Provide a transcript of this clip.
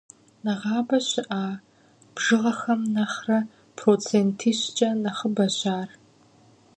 Нэгъабэ щыӏа бжыгъэхэм нэхърэ процентищкӏэ нэхъыбэщ ар.